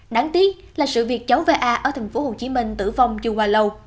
đáng tiếc là sự việc cháu v a ở tp hcm tử vong chưa qua lâu